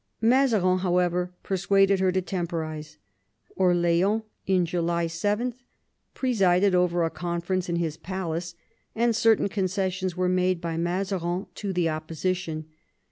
Mazarin, however, persuaded her to temporise. Orleans in July 7 presided over a conference in his palace, and certain concessions were made by Mazarin to the opposition.